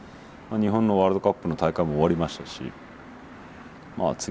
まあ日本のワールドカップの大会も終わりましたしまあ